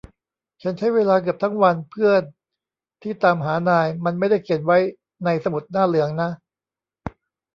ฉันใช้เวลาเกือบทั้งวันเพื่อนที่ตามหานาย มันไม่ได้เขียนไว้ในสมุดหน้าเหลืองนะ